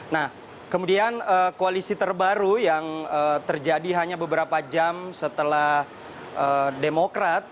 nah kemudian koalisi terbaru yang terjadi hanya beberapa jam setelah demokrat